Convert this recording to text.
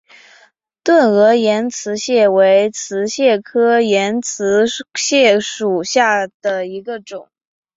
钝额岩瓷蟹为瓷蟹科岩瓷蟹属下的一个种。